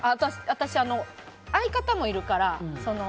私、相方もいるから。